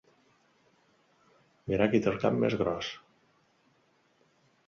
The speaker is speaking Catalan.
Mirar qui té el cap més gros.